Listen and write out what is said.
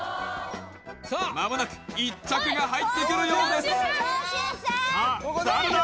間もなく１着が入ってくるようですさあ誰だ？